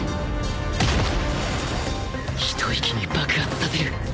一息に爆発させる